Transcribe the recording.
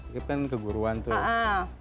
ikib kan keguruan tuh